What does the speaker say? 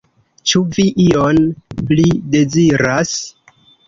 Ĉu vi ion pli deziras?